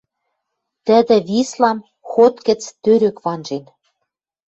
Тӹдӹ Вислам ход гӹц тӧрӧк ванжен.